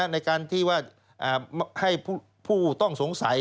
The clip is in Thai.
ในการที่ว่าให้ผู้ต้องสงสัย